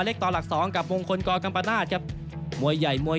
ต่อหลักสองกับมงคลกกัมปนาศครับมวยใหญ่มวย